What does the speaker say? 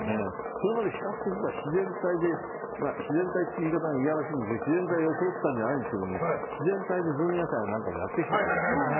それまで比較的自然体で自然体という言い方がいやらしいんですが自然体を装ったじゃないですけど自然体に「ズームイン」とかもやってきたんです。